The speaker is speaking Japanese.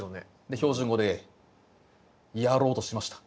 で標準語でやろうとしました。